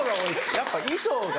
やっぱ衣装が。